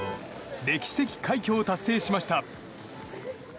歴史的快挙を達成しました。